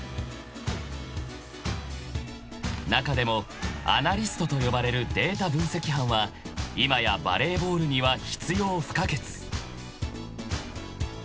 ［中でもアナリストと呼ばれるデータ分析班は今やバレーボールには必要不可欠］